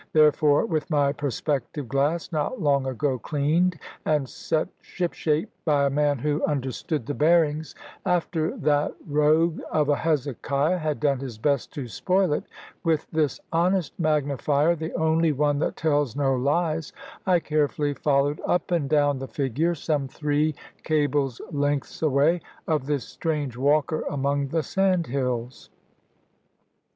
Therefore, with my perspective glass not long ago cleaned, and set ship shape by a man who understood the bearings after that rogue of a Hezekiah had done his best to spoil it with this honest magnifier (the only one that tells no lies) I carefully followed up and down the figure, some three cables' lengths away, of this strange walker among the sandhills.